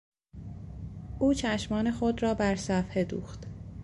او چشمان خود را بر صفحه دوخت.